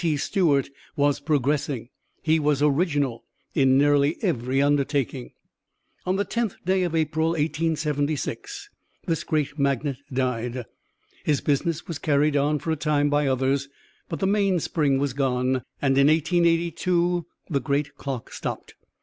T. Stewart was progressing he was original in nearly every undertaking. On the 10th day of April, 1876, this great magnate died. His business was carried on, for a time, by others, but the mainspring was gone, and in 1882 the great clock stopped.